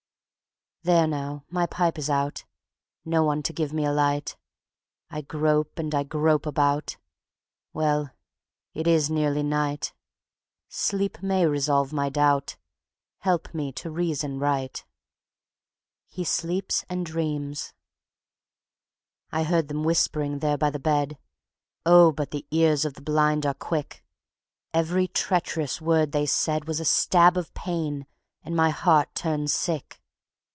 There now, my pipe is out; No one to give me a light; I grope and I grope about. Well, it is nearly night; Sleep may resolve my doubt, Help me to reason right. ... (He sleeps and dreams.) I heard them whispering there by the bed ... Oh, but the ears of the blind are quick! Every treacherous word they said Was a stab of pain and my heart turned sick.